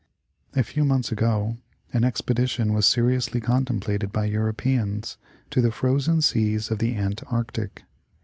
A few months ago an expedition was seriously contemplated by Europeans to the frozen seas of the Antarctic.